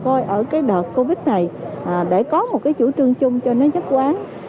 rồi vừa là một coi ở cái đợt covid này để có một cái chủ trương chung cho nó chắc quán